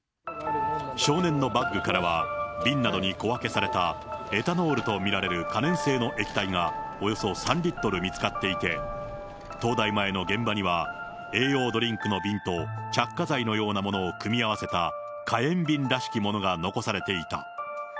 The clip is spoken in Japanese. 少年のバッグからは、瓶などに小分けされたエタノールと見られる可燃性の液体が、およそ３リットル見つかっていて、東大前の現場には、栄養ドリンクの瓶と着火剤のようなものを組み合わせた火炎瓶らしきものが残されていた。